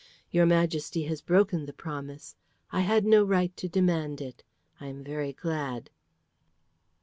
Your Majesty has broken the promise. I had no right to demand it. I am very glad."